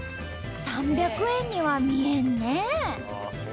３００円には見えんねえ！